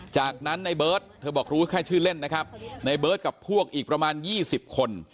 จากนั้นในเบิร์ตเธอบอกรู้แค่ชื่อเล่นนะครับในเบิร์ตกับพวกอีกประมาณ๒๐คน